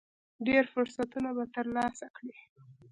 ډېر فرصتونه به ترلاسه کړئ .